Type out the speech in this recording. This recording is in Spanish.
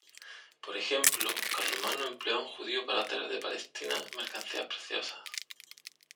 Por ejemplo, Carlomagno empleó a un judío para traer de Palestina mercancías preciosas.